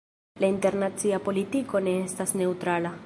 La internacia politiko ne estas neŭtrala.